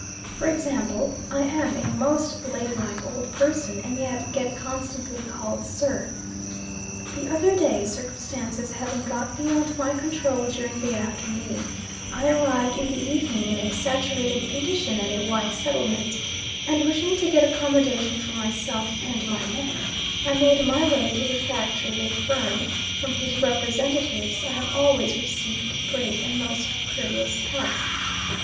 For example, I am a most ladylike old person and yet get constantly called "Sir." The other day, circumstances having got beyond my control during the afternoon, I arrived in the evening in a saturated condition at a white settlement, and wishing to get accommodation for myself and my men, I made my way to the factory of a firm from whose representatives I have always received great and most courteous help.